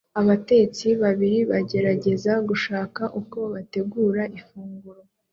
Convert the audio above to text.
Abatetsi babiri bagerageza gushaka uko bategura ifunguro